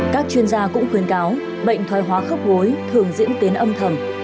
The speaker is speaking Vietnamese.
các chuyên gia cũng khuyến cáo bệnh thoai hóa khớp gối thường diễn tến âm thầm